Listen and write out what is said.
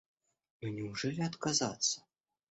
Но неужели отказаться?